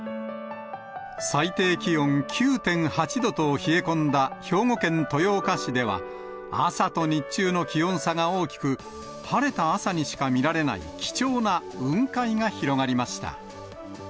最低気温９．８度と冷え込んだ兵庫県豊岡市では、朝と日中の気温差が大きく、晴れた朝にしか見られない貴重な雲海が広がりました。